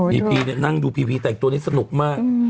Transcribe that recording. พีนั่งดูพีพีแต่งตัวนี้สนุกมาก